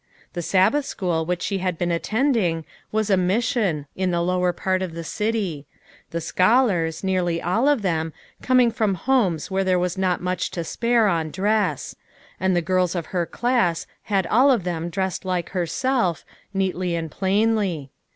The Sabbath school which she had been attending, was a mission, in the lower part of the city ; the scholars, nearly all of them, com ing from homes where there was not much to spare on dress; and the girls of her class had all of them dressed like herself, neatly and plainly.